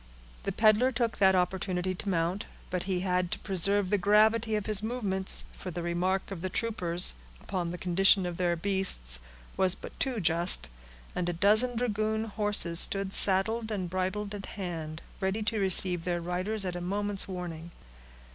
The peddler took that opportunity to mount, but he had to preserve the gravity of his movements, for the remark of the troopers upon the condition of their beasts was but too just, and a dozen dragoon horses stood saddled and bridled at hand, ready to receive their riders at a moment's warning.